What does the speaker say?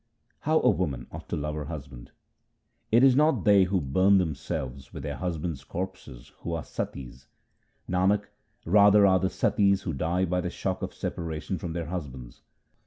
How a woman ought to love her husband :— It is not they who burn themselves with their husbands' corpses who are Satis ; Nanak, rather are they Satis who die by the shock of separation from their husbands.